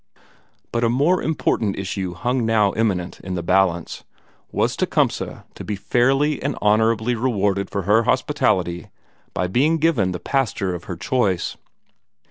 But a more important issue hung now imminent in the balance was Tecumseh to be fairly and honorably rewarded for her hospitality by being given the pastor of her choice?